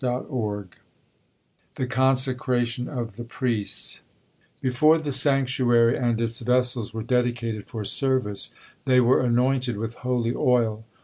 THE CONSECRATION OF THE PRIESTS Before the sanctuary and its vessels were dedicated for service, they were anointed with holy oil.